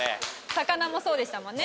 魚もそうでしたもんね。